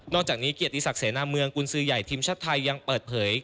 อกจากนี้เกียรติศักดิเสนาเมืองกุญสือใหญ่ทีมชาติไทยยังเปิดเผย